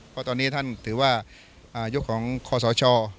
เพราะตอนนี้ท่านถือว่ายุคของคอสช